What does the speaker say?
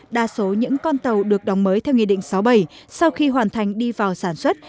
đa số những con tàu được đóng mới theo nghị định sáu bảy sau khi hoàn thành đi vào sản xuất